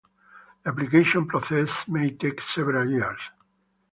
The application process may take several years.